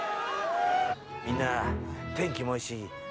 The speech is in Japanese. みんな天気もいいし。